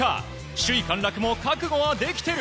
首位陥落も覚悟はできてる！